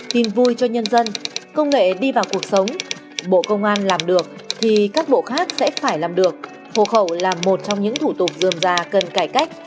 tin vui cho nhân dân công nghệ đi vào cuộc sống bộ công an làm được thì các bộ khác sẽ phải làm được hộ khẩu là một trong những thủ tục dườm già cần cải cách